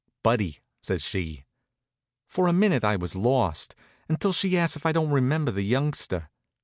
"Buddy," says she. For a minute I was lost, until she asks if I don't remember the youngster.